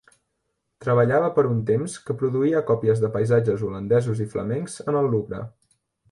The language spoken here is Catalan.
Treballava per un temps que produïa còpies de paisatges holandesos i flamencs en el Louvre.